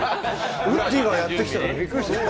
ウッディがやって来たらびっくりした。